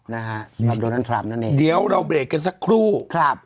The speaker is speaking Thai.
นะฮะสำหรับโดนัลดทรัมป์นั่นเองเดี๋ยวเราเบรกกันสักครู่ครับ